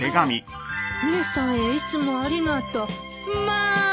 「姉さんへいつもありがとう」まあ！